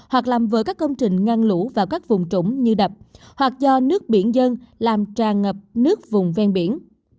hoặc làm vỡ các công trình ngăn lũ vào các vùng trũng như đập hoặc do nước biển dân làm tràn ngập nước vùng ven biển